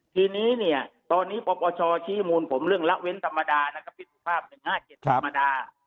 ทีนี้เนี่ยตอนนี้ปปชชี้มูลผมเรื่องละเว้นธรรมดานะครับพี่สุภาพ๑๕๗ธรรมดา